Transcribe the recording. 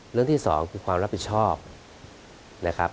เรื่องที่สองคือความรับผิดชอบนะครับ